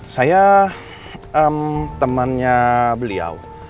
saya temannya beliau